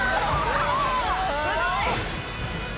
すごい！